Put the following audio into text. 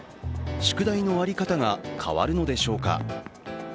宿題の在り方が変わるのでしょうか。